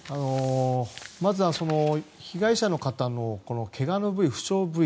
まずは被害者の方のけがの部位、負傷部位